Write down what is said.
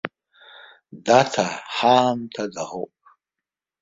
Даҭа ҳаамҭа даӷоуп?!